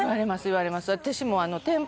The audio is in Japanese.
言われます